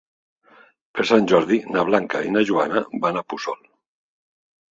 Per Sant Jordi na Blanca i na Joana van a Puçol.